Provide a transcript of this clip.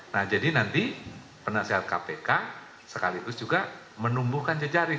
nah jadi nanti penasehat kpk sekaligus juga menumbuhkan jejaring